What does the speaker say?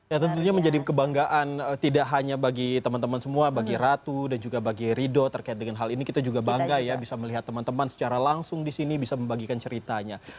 ya tentunya menjadi kebanggaan tidak hanya bagi teman teman semua bagi ratu dan juga bagi rido terkait dengan hal ini kita juga bangga ya bisa melihat teman teman secara langsung disini bisa membagikan ceritanya